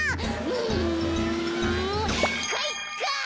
うんかいか！